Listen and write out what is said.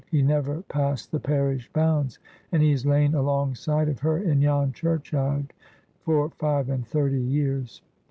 He never passed the parish bounds, and he's lain alongside of her in yon churchyard for five and thirty years!"